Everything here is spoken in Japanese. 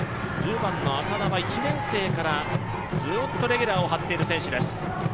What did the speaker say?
１年生からずっとレギュラーを張っている選手です。